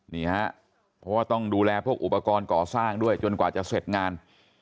นี่ฮะเพราะว่าต้องดูแลพวกอุปกรณ์ก่อสร้างด้วยจนกว่าจะเสร็จงาน